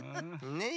ねえ。